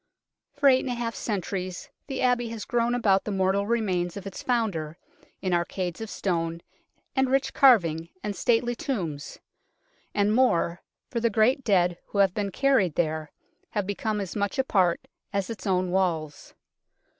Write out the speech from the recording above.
For eight and a half centuries the Abbey has grown about the mortal remains of its founder, in arcades of stone and rich carving and stately tombs ; and more for the great dead who have been carried there have become as much a part as its own walls.